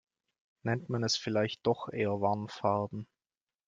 Nennt man es vielleicht doch eher Warnfarben.